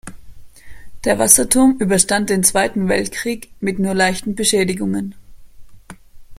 Der Wasserturm überstand den Zweiten Weltkrieg mit nur leichten Beschädigungen.